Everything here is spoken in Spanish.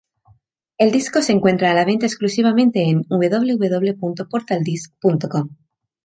El disco se encuentra a la venta exclusivamente en www.portaldisc.com.